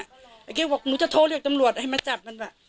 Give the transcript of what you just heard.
แล้วแกบอกหนูจะโทรเรียกตำรวจให้มาจับมันว่ะ